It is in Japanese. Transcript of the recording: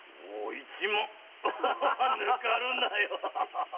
一万ぬかるなよ！